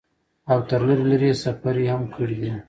او تر لرې لرې سفرې هم کړي دي ۔